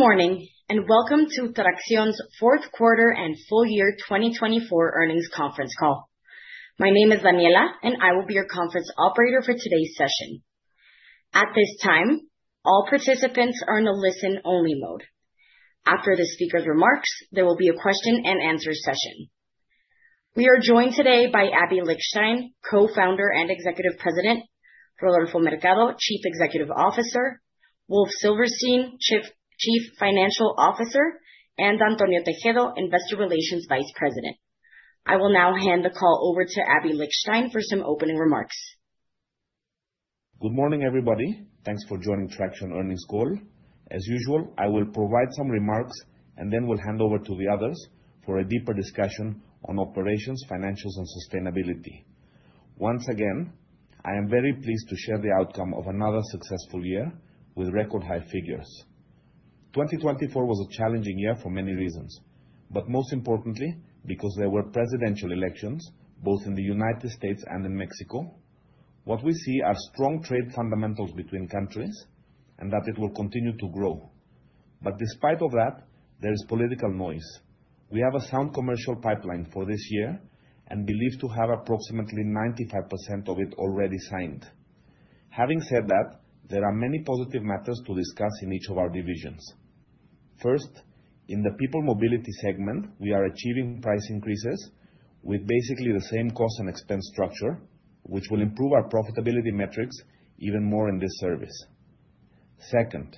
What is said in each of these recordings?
Good morning and welcome to Traxión's Fourth Quarter and Full Year 2024 Earnings Conference Call. My name is Daniela, and I will be your conference operator for today's session. At this time, all participants are in the listen-only mode. After the speaker's remarks, there will be a question-and-answer session. We are joined today by Aby Lijtszain, Co-founder and Executive President, Rodolfo Mercado, Chief Executive Officer, Wolf Silverstein, Chief Financial Officer, and Antonio Tejedo, Investor Relations Vice President. I will now hand the call over to Aby Lijtszain for some opening remarks. Good morning, everybody. Thanks for joining Traxión Earnings Call. As usual, I will provide some remarks and then will hand over to the others for a deeper discussion on operations, financials, and sustainability. Once again, I am very pleased to share the outcome of another successful year with record-high figures. 2024 was a challenging year for many reasons, but most importantly, because there were presidential elections both in the United States and in Mexico. What we see are strong trade fundamentals between countries and that it will continue to grow. But despite all that, there is political noise. We have a sound commercial pipeline for this year and believe to have approximately 95% of it already signed. Having said that, there are many positive matters to discuss in each of our divisions. First, in the People Mobility segment, we are achieving price increases with basically the same cost and expense structure, which will improve our profitability metrics even more in this service. Second,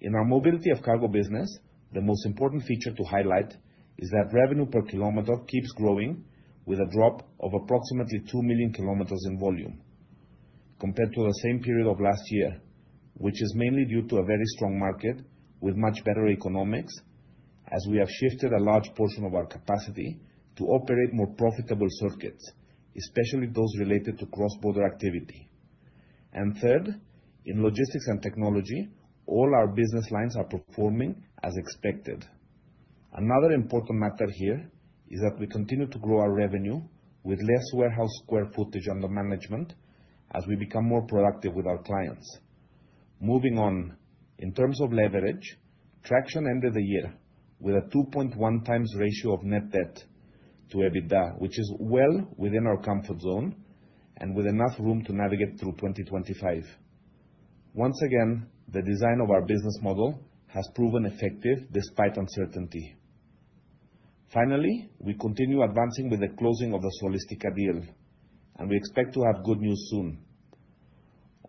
in our Mobility of Cargo business, the most important feature to highlight is that Revenue Per Kilometer keeps growing with a drop of approximately two million kilometers in volume compared to the same period of last year, which is mainly due to a very strong market with much better economics, as we have shifted a large portion of our capacity to operate more profitable circuits, especially those related to cross-border activity. And third, in Logistics and Technology, all our business lines are performing as expected. Another important matter here is that we continue to grow our revenue with less warehouse square footage under management as we become more productive with our clients. Moving on, in terms of leverage, Traxión ended the year with a 2.1 times ratio of net debt to EBITDA, which is well within our comfort zone and with enough room to navigate through 2025. Once again, the design of our business model has proven effective despite uncertainty. Finally, we continue advancing with the closing of the Solistica deal, and we expect to have good news soon.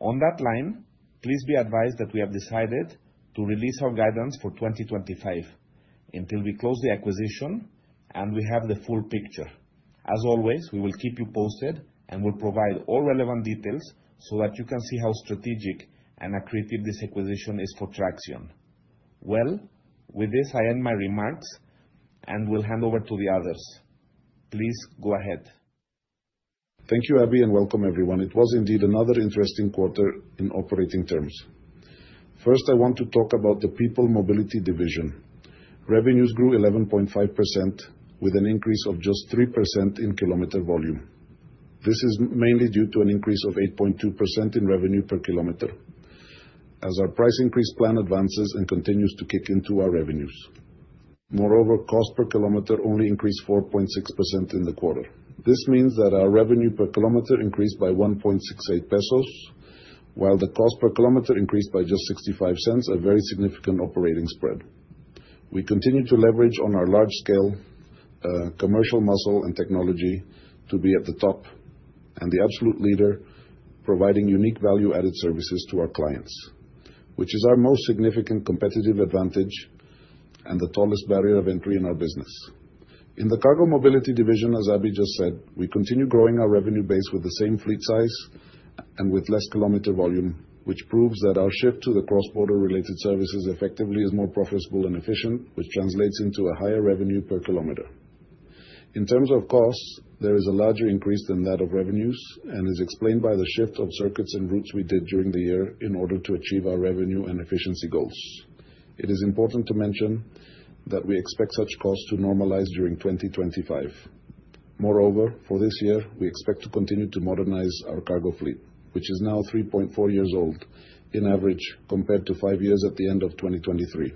On that line, please be advised that we have decided to release our guidance for 2025 until we close the acquisition and we have the full picture. As always, we will keep you posted and will provide all relevant details so that you can see how strategic and accretive this acquisition is for Traxión. Well, with this, I end my remarks and will hand over to the others. Please go ahead. Thank you, Aby, and welcome everyone. It was indeed another interesting quarter in operating terms. First, I want to talk about the people mobility division. Revenues grew 11.5% with an increase of just 3% in kilometer volume. This is mainly due to an increase of 8.2% in revenue per kilometer as our price increase plan advances and continues to kick into our revenues. Moreover, cost per kilometer only increased 4.6% in the quarter. This means that our revenue per kilometer increased by 1.68 pesos, while the cost per kilometer increased by just 0.65, a very significant operating spread. We continue to leverage on our large-scale commercial muscle and technology to be at the top and the absolute leader, providing unique value-added services to our clients, which is our most significant competitive advantage and the tallest barrier of entry in our business. In the cargo mobility division, as Aby just said, we continue growing our revenue base with the same fleet size and with less kilometer volume, which proves that our shift to the cross-border related services effectively is more profitable and efficient, which translates into a higher revenue per kilometer. In terms of costs, there is a larger increase than that of revenues, and is explained by the shift of circuits and routes we did during the year in order to achieve our revenue and efficiency goals. It is important to mention that we expect such costs to normalize during 2025. Moreover, for this year, we expect to continue to modernize our cargo fleet, which is now 3.4 years old in average compared to five years at the end of 2023.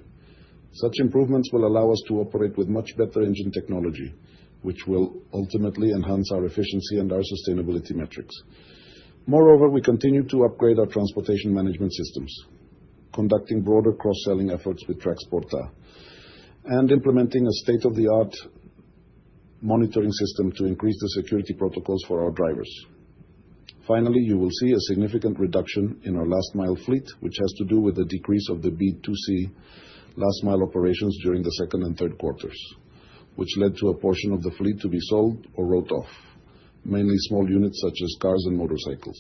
Such improvements will allow us to operate with much better engine technology, which will ultimately enhance our efficiency and our sustainability metrics. Moreover, we continue to upgrade our transportation management systems, conducting broader cross-selling efforts with Traxporta, and implementing a state-of-the-art monitoring system to increase the security protocols for our drivers. Finally, you will see a significant reduction in our last-mile fleet, which has to do with the decrease of the B2C last-mile operations during the second and third quarters, which led to a portion of the fleet to be sold or written off, mainly small units such as cars and motorcycles.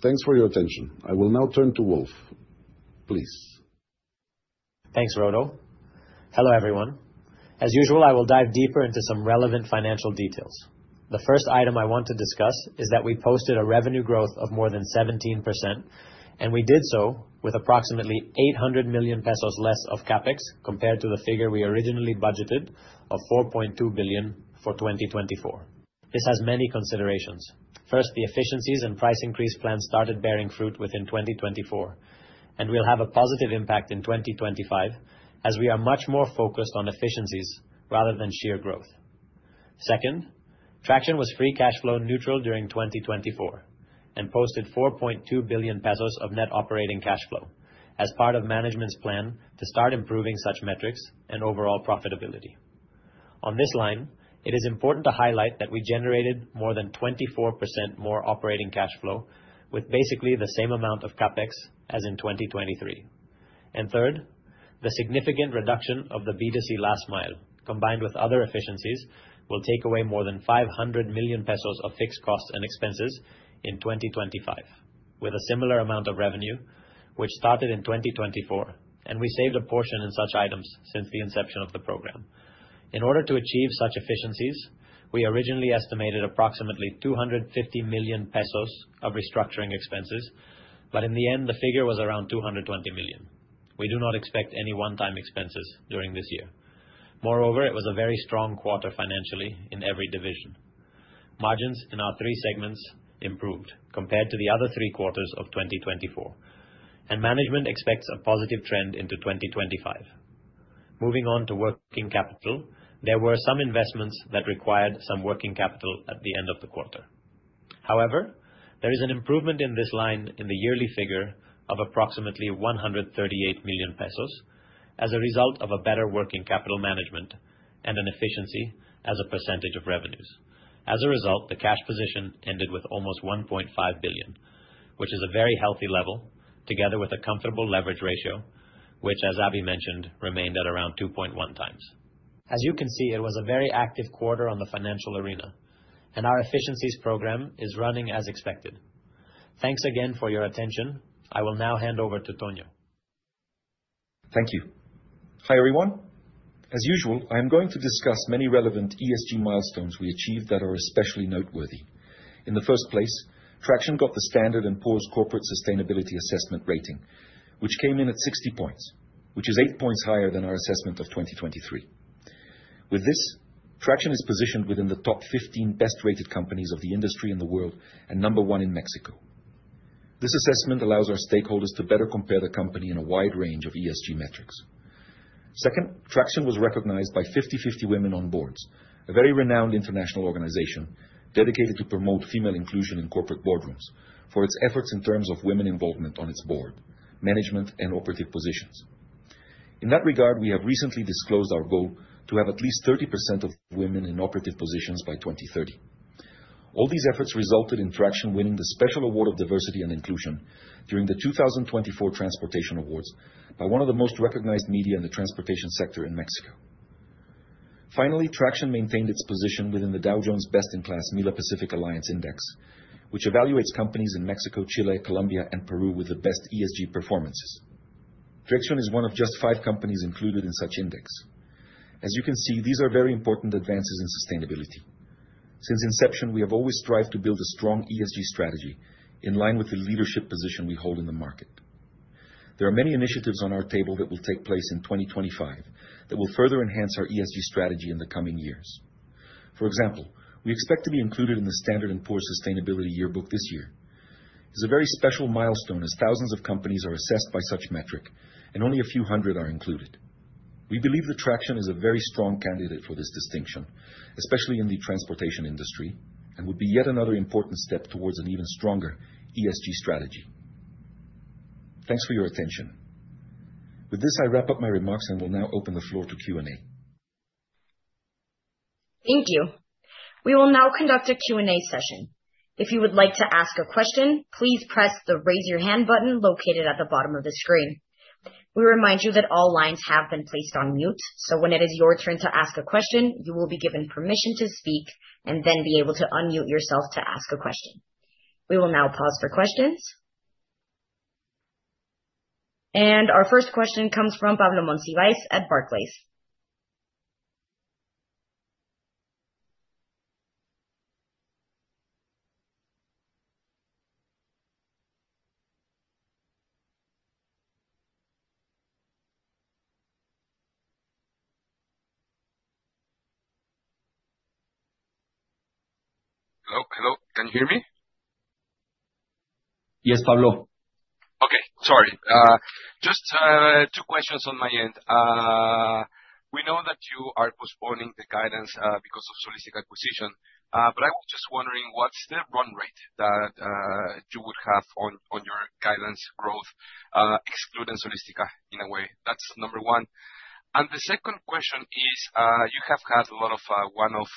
Thanks for your attention. I will now turn to Wolf. Please. Thanks, Rodo. Hello, everyone. As usual, I will dive deeper into some relevant financial details. The first item I want to discuss is that we posted a revenue growth of more than 17%, and we did so with approximately 800 million pesos less of CapEx compared to the figure we originally budgeted of 4.2 billion for 2024. This has many considerations. First, the efficiencies and price increase plan started bearing fruit within 2024, and we'll have a positive impact in 2025 as we are much more focused on efficiencies rather than sheer growth. Second, Traxión was free cash flow neutral during 2024 and posted 4.2 billion pesos of net operating cash flow as part of management's plan to start improving such metrics and overall profitability. On this line, it is important to highlight that we generated more than 24% more operating cash flow with basically the same amount of CapEx as in 2023. And third, the significant reduction of the B2C last-mile combined with other efficiencies will take away more than 500 million pesos of fixed costs and expenses in 2025 with a similar amount of revenue, which started in 2024, and we saved a portion in such items since the inception of the program. In order to achieve such efficiencies, we originally estimated approximately 250 million pesos of restructuring expenses, but in the end, the figure was around 220 million. We do not expect any one-time expenses during this year. Moreover, it was a very strong quarter financially in every division. Margins in our three segments improved compared to the other three quarters of 2024, and management expects a positive trend into 2025. Moving on to working capital, there were some investments that required some working capital at the end of the quarter. However, there is an improvement in this line in the yearly figure of approximately 138 million pesos as a result of a better working capital management and an efficiency as a percentage of revenues. As a result, the cash position ended with almost 1.5 billion, which is a very healthy level together with a comfortable leverage ratio, which, as Aby mentioned, remained at around 2.1 times. As you can see, it was a very active quarter on the financial arena, and our efficiencies program is running as expected. Thanks again for your attention. I will now hand over to Tonio. Thank you. Hi, everyone. As usual, I am going to discuss many relevant ESG milestones we achieved that are especially noteworthy. In the first place, Traxión got the Standard & Poor's Corporate Sustainability Assessment rating, which came in at 60 points, which is 8 points higher than our assessment of 2023. With this, Traxión is positioned within the top 15 best-rated companies of the industry in the world and number one in Mexico. This assessment allows our stakeholders to better compare the company in a wide range of ESG metrics. Second, Traxión was recognized by 50/50 Women on Boards, a very renowned international organization dedicated to promote female inclusion in corporate boardrooms for its efforts in terms of women involvement on its board, management, and operative positions. In that regard, we have recently disclosed our goal to have at least 30% of women in operative positions by 2030. All these efforts resulted in Traxión winning the Special Award of Diversity and Inclusion during the 2024 Transportation Awards by one of the most recognized media in the transportation sector in Mexico. Finally, Traxión maintained its position within the Dow Jones Best in Class MILA Pacific Alliance Index, which evaluates companies in Mexico, Chile, Colombia, and Peru with the best ESG performances. Traxión is one of just five companies included in such index. As you can see, these are very important advances in sustainability. Since inception, we have always strived to build a strong ESG strategy in line with the leadership position we hold in the market. There are many initiatives on our table that will take place in 2025 that will further enhance our ESG strategy in the coming years. For example, we expect to be included in the Standard and Poor's Sustainability Yearbook this year. It is a very special milestone as thousands of companies are assessed by such metric and only a few hundred are included. We believe that Traxión is a very strong candidate for this distinction, especially in the transportation industry, and would be yet another important step towards an even stronger ESG strategy. Thanks for your attention. With this, I wrap up my remarks and will now open the floor to Q&A. Thank you. We will now conduct a Q&A session. If you would like to ask a question, please press the raise your hand button located at the bottom of the screen. We remind you that all lines have been placed on mute, so when it is your turn to ask a question, you will be given permission to speak and then be able to unmute yourself to ask a question. We will now pause for questions, and our first question comes from Pablo Monsivais at Barclays. Hello, hello. Can you hear me? Yes, Pablo. Okay, sorry. Just two questions on my end. We know that you are postponing the guidance because of Solistica acquisition, but I was just wondering what's the run rate that you would have on your guidance growth, excluding Solistica in a way? That's number one. And the second question is you have had a lot of one-off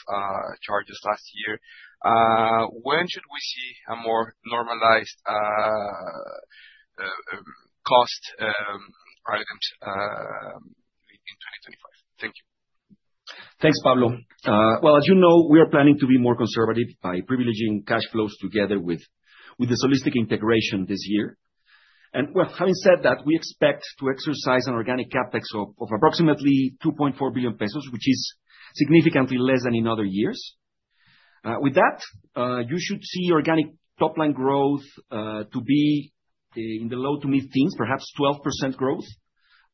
charges last year. When should we see a more normalized cost items in 2025? Thank you. Thanks, Pablo. Well, as you know, we are planning to be more conservative by privileging cash flows together with the Solistica integration this year. And well, having said that, we expect to exercise an organic CapEx of approximately 2.4 billion pesos, which is significantly less than in other years. With that, you should see organic top-line growth to be in the low to mid-teens, perhaps 12% growth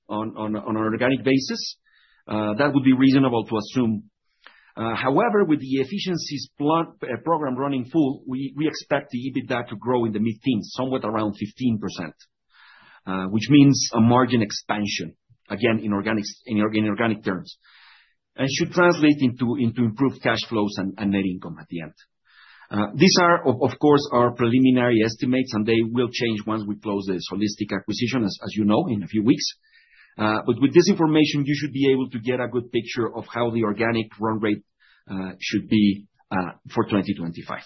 on an organic basis. That would be reasonable to assume. However, with the efficiencies program running full, we expect the EBITDA to grow in the mid-teens, somewhere around 15%, which means a margin expansion, again, in organic terms, and should translate into improved cash flows and net income at the end. These are, of course, our preliminary estimates, and they will change once we close the Solistica acquisition, as you know, in a few weeks. With this information, you should be able to get a good picture of how the organic run rate should be for 2025.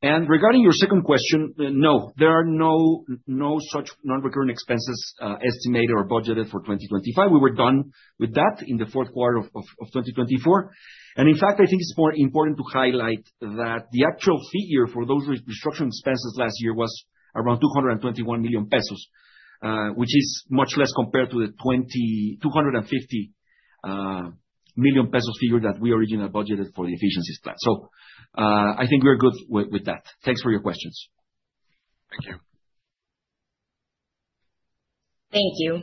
And regarding your second question, no, there are no such non-recurring expenses estimated or budgeted for 2025. We were done with that in the fourth quarter of 2024. And in fact, I think it's more important to highlight that the actual figure for those restructuring expenses last year was around 221 million pesos, which is much less compared to the 250 million pesos figure that we originally budgeted for the efficiencies plan. So I think we're good with that. Thanks for your questions. Thank you. Thank you.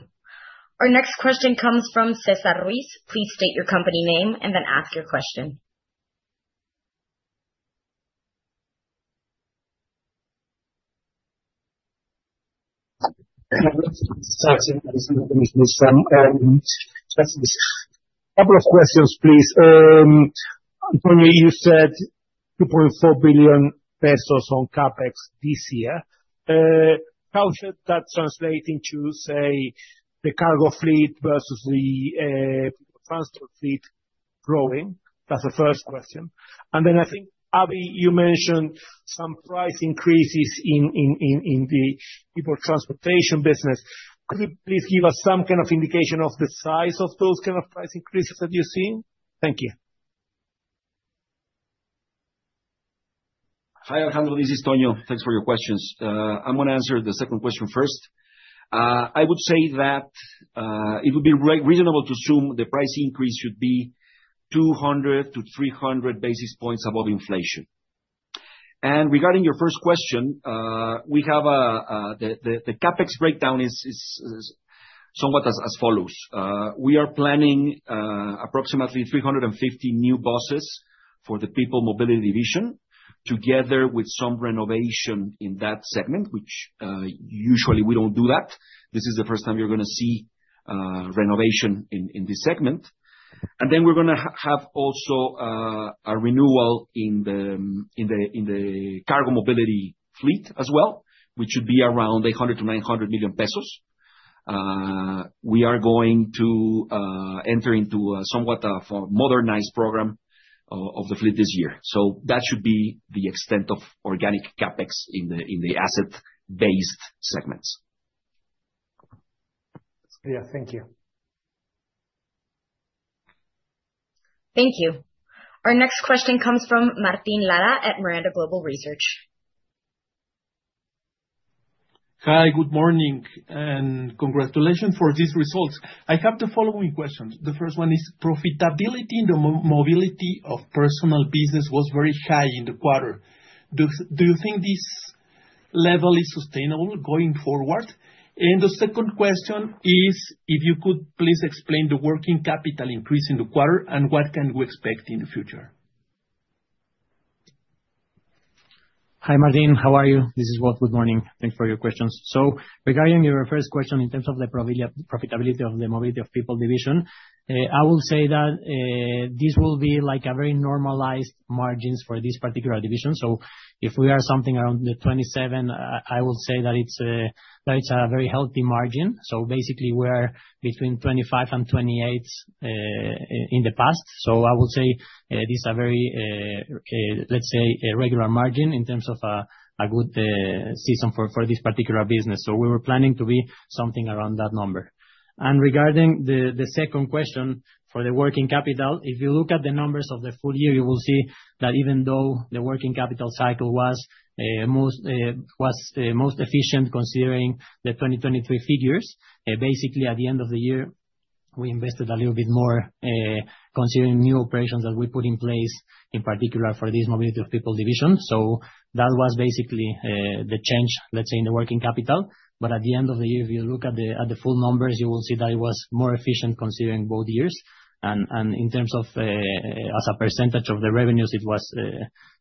Our next question comes from César Ruiz. Please state your company name and then ask your question. couple of questions, please. Antonio, you said 2.4 billion pesos on CapEx this year. How should that translate into, say, the cargo fleet versus the transport fleet growing? That's the first question, and then I think, Aby, you mentioned some price increases in the people transportation business. Could you please give us some kind of indication of the size of those kind of price increases that you're seeing? Thank you. Hi,. This is Tonio. Thanks for your questions. I'm going to answer the second question first. I would say that it would be reasonable to assume the price increase should be 200-300 basis points above inflation, and regarding your first question, we have the CAPEX breakdown is somewhat as follows. We are planning approximately 350 new buses for the People Mobility division together with some renovation in that segment, which usually we don't do that. This is the first time you're going to see renovation in this segment, and then we're going to have also a renewal in the Cargo Mobility fleet as well, which should be around 800 million-900 million pesos. We are going to enter into a somewhat of a modernized program of the fleet this year, so that should be the extent of organic CAPEX in the asset-based segments. Yeah, thank you. Thank you. Our next question comes from Martin Lara at Miranda Global Research. Hi, good morning, and congratulations for these results. I have the following questions. The first one is profitability in the People Mobility business was very high in the quarter. Do you think this level is sustainable going forward, and the second question is if you could please explain the working capital increase in the quarter and what can we expect in the future. Hi, Martin. How are you? This is Wolf. Good morning. Thanks for your questions. So regarding your first question in terms of the profitability of the mobility of people division, I will say that this will be like a very normalized margins for this particular division. So if we are something around the 27%, I will say that it's a very healthy margin. So basically, we are between 25% and 28% in the past. So I will say this is a very, let's say, regular margin in terms of a good season for this particular business. So we were planning to be something around that number. Regarding the second question for the working capital, if you look at the numbers of the full year, you will see that even though the working capital cycle was most efficient considering the 2023 figures, basically at the end of the year, we invested a little bit more considering new operations that we put in place in particular for this mobility of people division. That was basically the change, let's say, in the working capital. At the end of the year, if you look at the full numbers, you will see that it was more efficient considering both years. In terms of as a percentage of the revenues, it was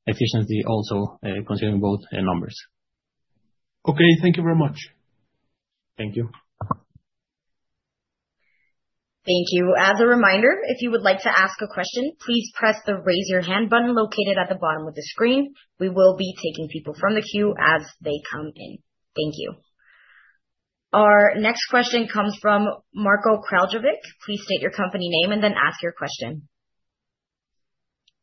efficiently also considering both numbers. Okay, thank you very much. Thank you. Thank you. As a reminder, if you would like to ask a question, please press the raise your hand button located at the bottom of the screen. We will be taking people from the queue as they come in. Thank you. Our next question comes from Marko Kraljevic. Please state your company name and then ask your question.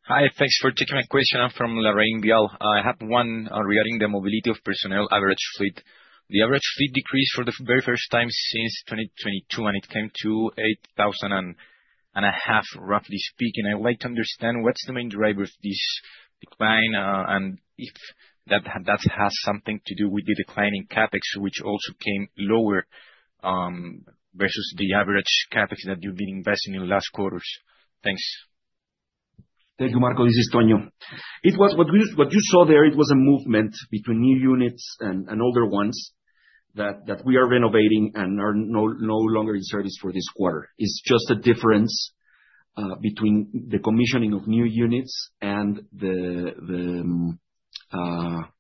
Hi, thanks for taking my question. I'm from LarrainVial. I have one regarding the mobility of personnel average fleet. The average fleet decreased for the very first time since 2022, and it came to 8,500, roughly speaking. I would like to understand what's the main driver of this decline and if that has something to do with the declining CAPEX, which also came lower versus the average CAPEX that you've been investing in the last quarters. Thanks. Thank you, Marko. This is Tonio. What you saw there, it was a movement between new units and older ones that we are renovating and are no longer in service for this quarter. It's just a difference between the commissioning of new units and the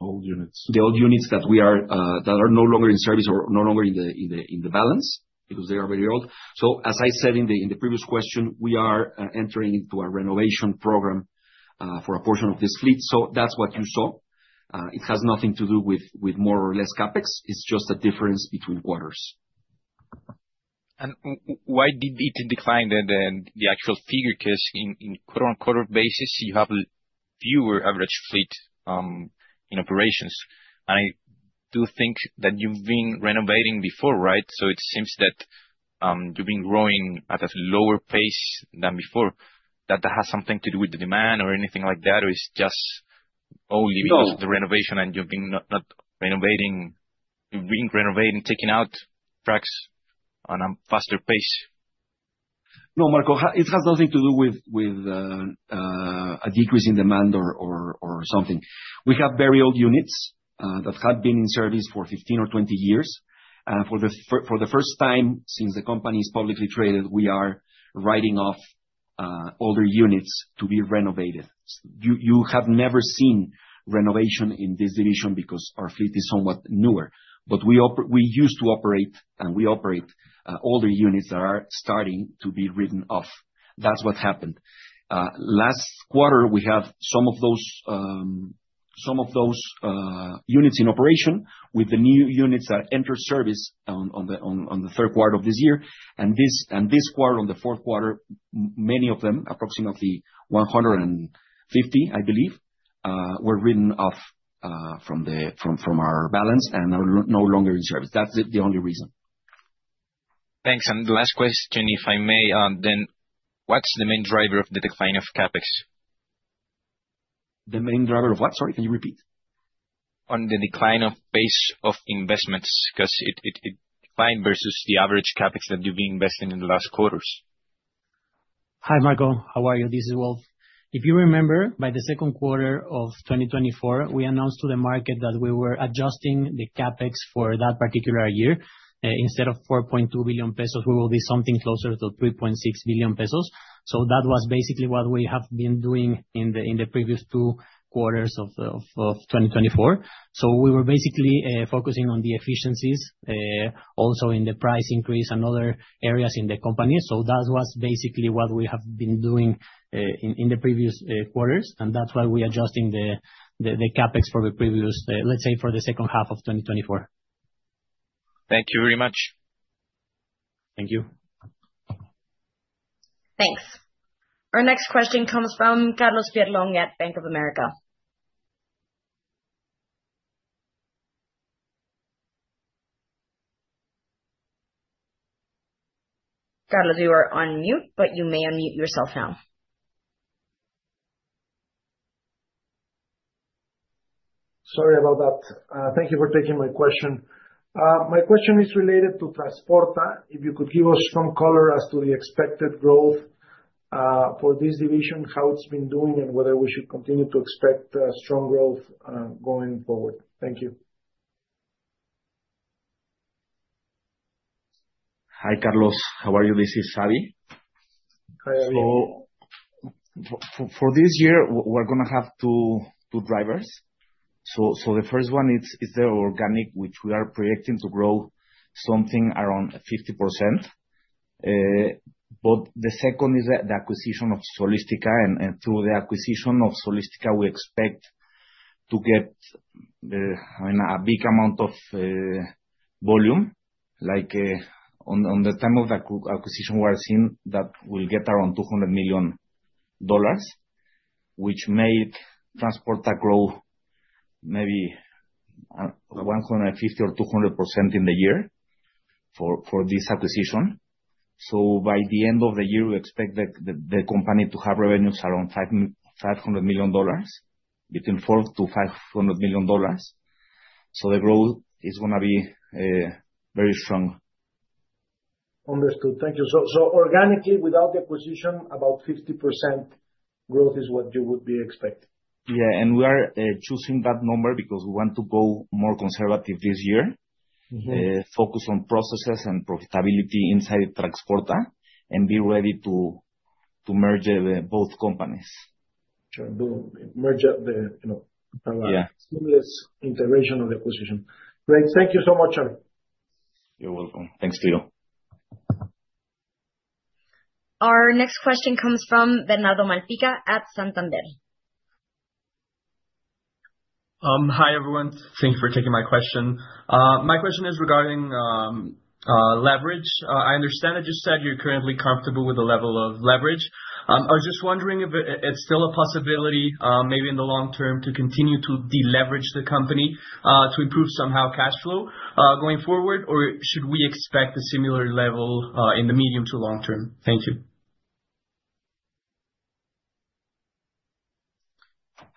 old units that are no longer in service or no longer in the balance because they are very old. So as I said in the previous question, we are entering into a renovation program for a portion of this fleet. So that's what you saw. It has nothing to do with more or less CAPEX. It's just a difference between quarters. Why did it decline then? The actual figure case in quarter-on-quarter basis, you have fewer average fleet in operations. I do think that you've been renovating before, right? It seems that you've been growing at a lower pace than before. Does that have something to do with the demand or anything like that, or it's just only because of the renovation and you've been not renovating? You've been renovating and taking out trucks on a faster pace. No, Marko, it has nothing to do with a decrease in demand or something. We have very old units that have been in service for 15 or 20 years. For the first time since the company is publicly traded, we are writing off older units to be renovated. You have never seen renovation in this division because our fleet is somewhat newer. But we used to operate, and we operate older units that are starting to be written off. That's what happened. Last quarter, we have some of those units in operation with the new units that entered service on the third quarter of this year. And this quarter, on the fourth quarter, many of them, approximately 150, I believe, were written off from our balance and are no longer in service. That's the only reason. Thanks. And the last question, if I may, then what's the main driver of the decline of CapEx? The main driver of what? Sorry, can you repeat? On the decline of pace of investments because it declined versus the average CapEx that you've been investing in the last quarters. Hi, Marko. How are you? This is Wolf. If you remember, by the second quarter of 2024, we announced to the market that we were adjusting the CapEx for that particular year. Instead of 4.2 billion pesos, we will be something closer to 3.6 billion pesos. So that was basically what we have been doing in the previous two quarters of 2024. So we were basically focusing on the efficiencies, also in the price increase and other areas in the company. So that was basically what we have been doing in the previous quarters. And that's why we're adjusting the CapEx for the previous, let's say, for the second half of 2024. Thank you very much. Thank you. Thanks. Our next question comes from Carlos Peyrelongue at Bank of America. Carlos, you are on mute, but you may unmute yourself now. Sorry about that. Thank you for taking my question. My question is related to Traxporta. If you could give us some color as to the expected growth for this division, how it's been doing, and whether we should continue to expect strong growth going forward? Thank you. Hi, Carlos. How are you? This is Aby. Hi, Abby. For this year, we're going to have two drivers. The first one is the organic, which we are projecting to grow something around 50%. But the second is the acquisition of Solistica. And through the acquisition of Solistica, we expect to get a big amount of volume. On the time of the acquisition, we are seeing that we'll get around $200 million, which may Traxporta grow maybe 150% or 200% in the year for this acquisition. By the end of the year, we expect the company to have revenues around $500 million, between $400 million to $500 million. The growth is going to be very strong. Understood. Thank you. So organically, without the acquisition, about 50% growth is what you would be expecting. Yeah. And we are choosing that number because we want to go more conservative this year, focus on processes and profitability inside Traxporta, and be ready to merge both companies. Sure. Merge the seamless integration of the acquisition. Great. Thank you so much, Aby. You're welcome. Thanks,. Our next question comes from Bernardo Malpica at Santander. Hi, everyone. Thank you for taking my question. My question is regarding leverage. I understand that you said you're currently comfortable with the level of leverage. I was just wondering if it's still a possibility maybe in the long term to continue to deleverage the company to improve somehow cash flow going forward, or should we expect a similar level in the medium to long term? Thank you.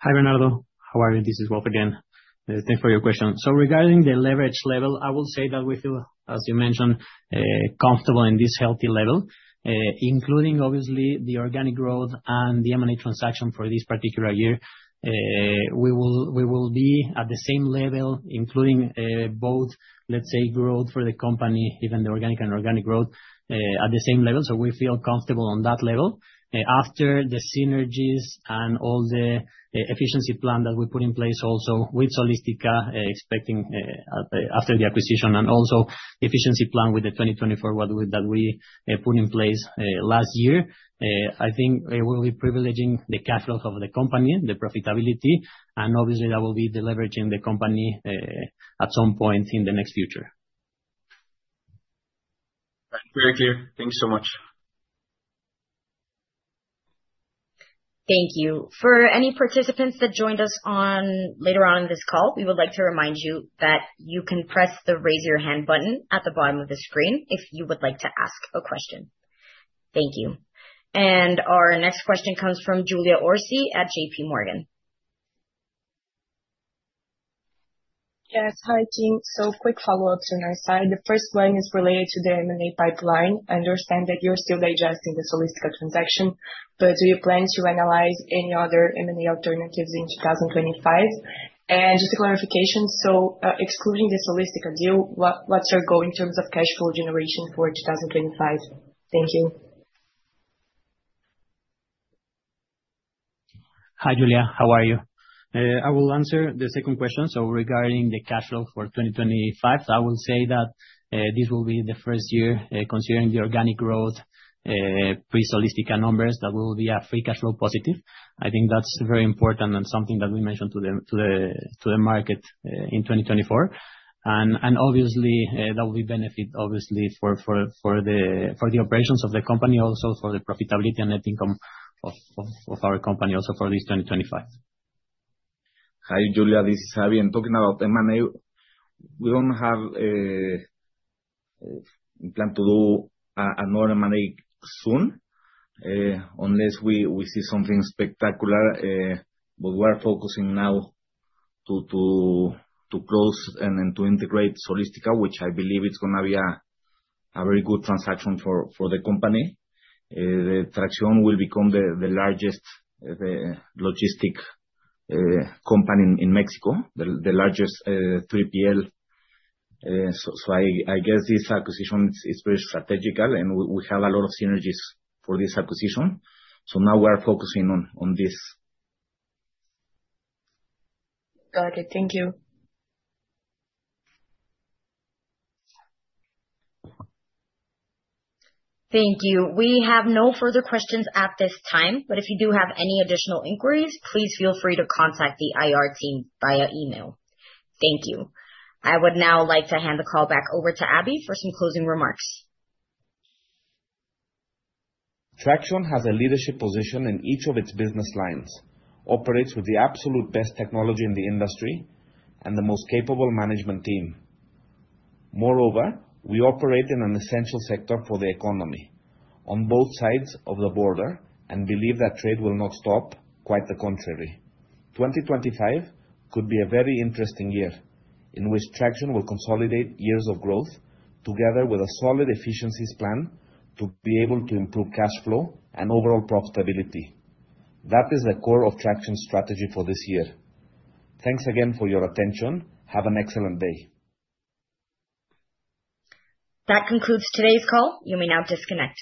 Hi, Bernardo. How are you? This is Wolf again. Thanks for your question. So regarding the leverage level, I will say that we feel, as you mentioned, comfortable in this healthy level, including, obviously, the organic growth and the M&A transaction for this particular year. We will be at the same level, including both, let's say, growth for the company, even the organic and organic growth, at the same level. So we feel comfortable on that level after the synergies and all the efficiency plan that we put in place also with Solistica expecting after the acquisition and also efficiency plan with the 2024 that we put in place last year. I think we will be privileging the cash flow of the company, the profitability, and obviously, that will be the leveraging the company at some point in the next future. Very clear. Thank you so much. Thank you. For any participants that joined us later on in this call, we would like to remind you that you can press the raise your hand button at the bottom of the screen if you would like to ask a question. Thank you. And our next question comes from Julia Orsi at JP Morgan. Yes. Hi, team. So, quick follow-ups on our side. The first one is related to the M&A pipeline. I understand that you're still digesting the Solistica transaction, but do you plan to analyze any other M&A alternatives in 2025? And just a clarification, so excluding the Solistica deal, what's your goal in terms of cash flow generation for 2025? Thank you. Hi, Julia. How are you? I will answer the second question. So regarding the cash flow for 2025, I will say that this will be the first year considering the organic growth pre-Solistica numbers that will be a free cash flow positive. I think that's very important and something that we mentioned to the market in 2024. And obviously, that will be benefit, obviously, for the operations of the company, also for the profitability and net income of our company also for this 2025. Hi, Julia. This is Aby. I'm talking about M&A. We don't have a plan to do another M&A soon unless we see something spectacular. But we are focusing now to close and to integrate Solistica, which I believe it's going to be a very good transaction for the company. The Traxión will become the largest logistics company in Mexico, the largest 3PL. So I guess this acquisition is very strategic, and we have a lot of synergies for this acquisition. So now we are focusing on this. Got it. Thank you. Thank you. We have no further questions at this time, but if you do have any additional inquiries, please feel free to contact the IR team via email. Thank you. I would now like to hand the call back over to Aby for some closing remarks. Traxión has a leadership position in each of its business lines, operates with the absolute best technology in the industry, and the most capable management team. Moreover, we operate in an essential sector for the economy on both sides of the border and believe that trade will not stop, quite the contrary. 2025 could be a very interesting year in which Traxión will consolidate years of growth together with a solid efficiencies plan to be able to improve cash flow and overall profitability. That is the core of Traxión's strategy for this year. Thanks again for your attention. Have an excellent day. That concludes today's call. You may now disconnect.